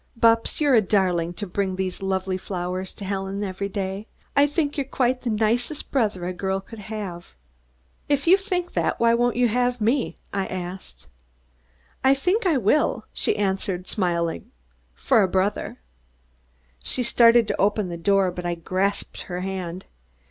"Bupps, you're a darling to bring these lovely flowers to Helen every day. I think you're quite the nicest brother a girl could have." "If you think that, why won't you have me?" I asked. "I think I will " she answered, smiling, "for a brother." She started to open the door, but I grasped her hand.